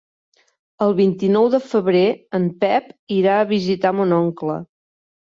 El vint-i-nou de febrer en Pep irà a visitar mon oncle.